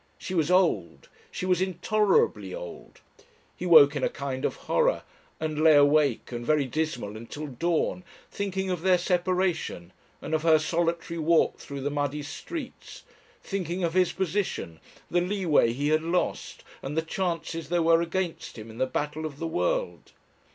She was old! She was intolerably old! He woke in a kind of horror and lay awake and very dismal until dawn, thinking of their separation and of her solitary walk through the muddy streets, thinking of his position, the leeway he had lost and the chances there were against him in the battle of the world.